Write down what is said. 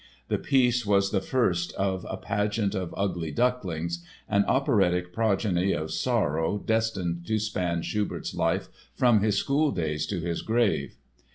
The piece was the first of a pageant of ugly ducklings, an operatic progeny of sorrow destined to span Schubert's life from his schooldays to his grave.